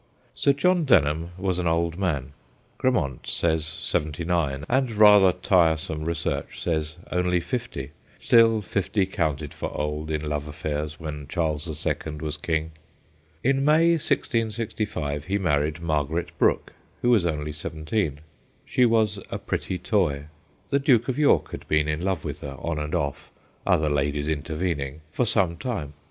Sir John Denham was an old man. Grammont says seventy nine, and rather tiresome research says only fifty; still, fifty counted for old in love affairs when Charles the Second was king. In May 1665 he married Margaret Brook, who was only seventeen. She was a pretty toy. The Duke of York had been in love with her, on and off, other ladies intervening, for some time.